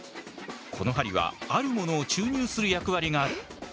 この針はあるものを注入する役割がある。